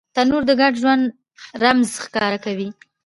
تنور د ګډ ژوند رمز ښکاره کوي